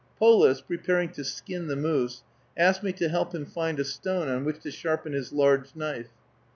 Polis, preparing to skin the moose, asked me to help him find a stone on which to sharpen his large knife.